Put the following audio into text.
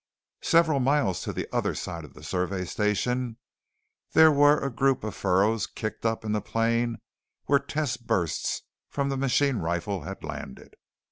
Several miles to the other side of the Survey Station there were a group of furrows kicked up in the plain where test bursts from the machine rifle had landed.